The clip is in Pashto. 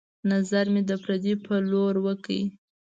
نظر مې د پردې په لورې وکړ